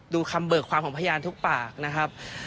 คำเบิกความของพยานทุกปากนะครับ